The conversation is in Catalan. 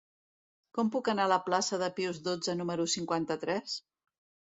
Com puc anar a la plaça de Pius dotze número cinquanta-tres?